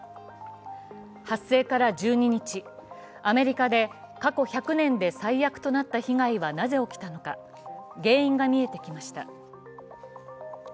発生から１２日、アメリカで過去１００年で最悪となった被害はなぜ起きたのか、原因が見えてきました。